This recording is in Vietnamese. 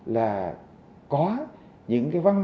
là có những cái vấn đề này